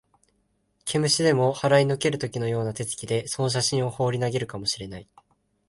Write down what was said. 毛虫でも払いのける時のような手つきで、その写真をほうり投げるかも知れない